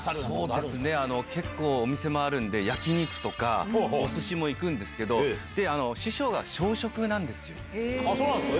そうですね、結構、お店もあるんで、焼き肉とか、おすしも行くんですけど、師匠が少食なんでそうなんですか。